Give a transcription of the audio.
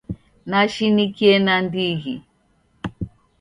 Nashinikie nandighi.